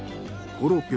コロッケ。